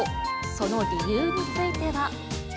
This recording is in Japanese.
その理由については。